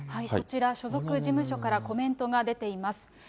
こちら、所属事務所からコメントが出ています。